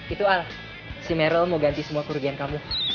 itu al si merel mau ganti semua kurian kamu